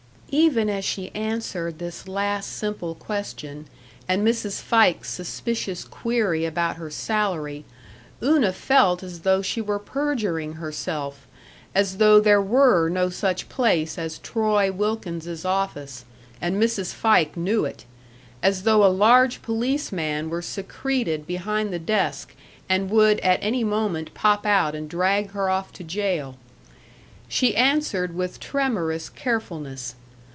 Even as she answered this last simple question and Mrs. Fike's suspicious query about her salary, Una felt as though she were perjuring herself, as though there were no such place as Troy Wilkins's office and Mrs. Fike knew it; as though a large policeman were secreted behind the desk and would at any moment pop out and drag her off to jail. She answered with tremorous carefulness.